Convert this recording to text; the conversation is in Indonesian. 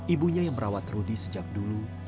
ibunya yang merawat rudy sejak dulu